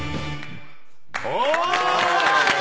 お！